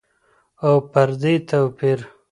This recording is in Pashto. او پر دې توپير.